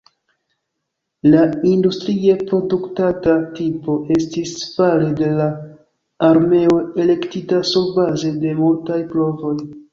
La industrie produktata tipo estis fare de la armeo elektita surbaze de multaj provoj.